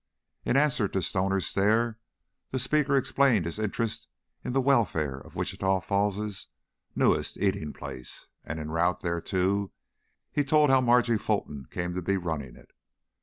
In answer to Stoner's stare, the speaker explained his interest in the welfare of Wichita Falls's newest eating place, and en route thereto he told how Margie Fulton came to be running it.